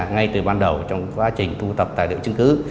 ngay từ ban đầu trong quá trình tu tập tài liệu chứng cứ